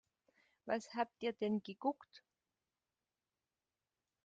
Was habt ihr denn geguckt?